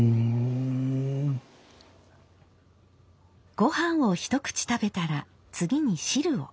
ご飯を一口食べたら次に汁を。